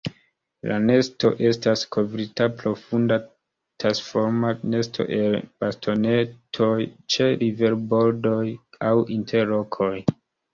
La nesto estas kovrita profunda tasforma nesto el bastonetoj ĉe riverbordoj aŭ inter rokoj.